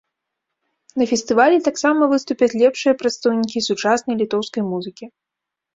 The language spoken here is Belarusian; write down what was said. На фестывалі таксама выступяць лепшыя прадстаўнікі сучаснай літоўскай музыкі.